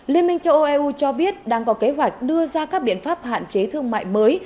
liên minh châu âu eu cho biết đang có kế hoạch đưa ra các biện pháp hạn chế thương mại mới